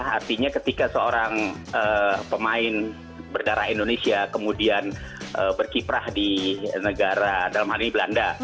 artinya ketika seorang pemain berdarah indonesia kemudian berkiprah di negara dalam hal ini belanda